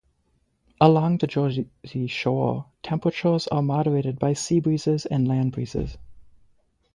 Along the Jersey Shore, temperatures are moderated by sea breezes and land breezes.